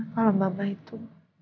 kalau mama itu